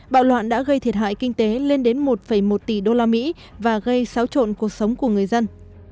bạo loạn đã gây thiệt hại kinh tế lên đến một một tỷ đô la mỹ và gây xáo trộn cuộc sống của người dân